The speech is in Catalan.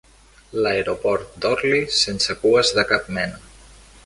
L'aeroport d'Orly sense cues de cap mena.